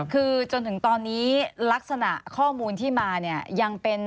คือจนถึงตอนนี้ลักษณะข้อมูลที่มาเนี่ยยังเป็น